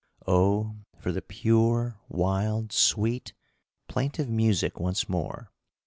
Oh, for the pure, wild, sweet, plaintive music once more!